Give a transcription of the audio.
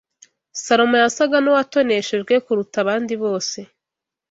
Salomo yasaga n’uwatoneshejwe kuruta abandi bose